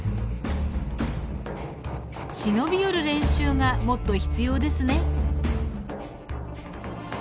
忍び寄る練習がもっと必要ですね。